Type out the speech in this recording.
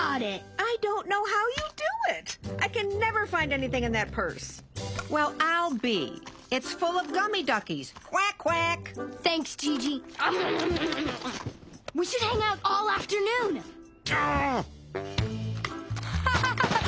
アハハハッ！